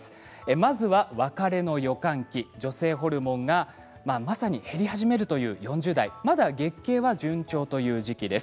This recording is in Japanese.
まずは別れの予感期女性ホルモンが、まさに減り始めるという４０代まだ月経が順調という時期です。